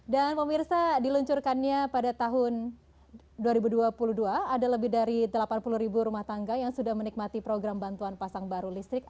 dan pak mirsa diluncurkannya pada tahun dua ribu dua puluh dua ada lebih dari delapan puluh rumah tangga yang sudah menikmati program bantuan pasang baru listrik